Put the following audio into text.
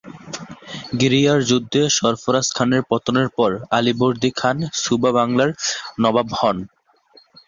গিরিয়ার যুদ্ধে সরফরাজ খানের পতনের পর আলীবর্দী খান সুবা বাংলার নবাব হন।